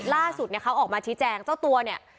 ล่าสุดเนี่ยเขาออกมาชี้แจงเจ้าตัวเนี่ย